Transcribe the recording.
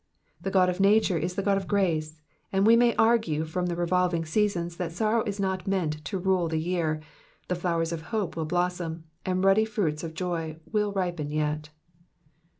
The God of nature is the God of grace ; and we may argue from the revolving seasons that sorrow is not meant lo rule the year, the flowers of hope will blossom, and ruddy fruits of joy will ripen yet.